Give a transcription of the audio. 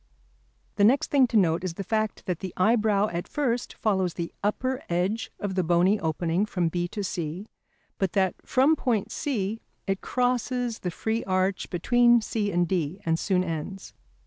The next thing to note is the fact that the eyebrow at first follows the upper edge of the bony opening from B to C, but that from point C it crosses the free arch between C and D and soon ends.